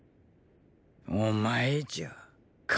お前じゃ。